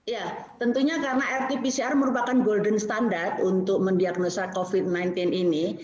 ya tentunya karena rt pcr merupakan golden standard untuk mendiagnosa covid sembilan belas ini